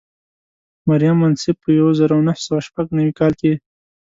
مریم منصف په یو زر او نهه سوه شپږ نوي کال کې.